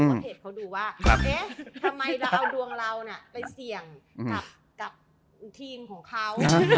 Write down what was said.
เพราะเพจเขาดูว่าเอ๊ะทำไมเราเอาดวงเราไปเสี่ยงกับทีมของเขา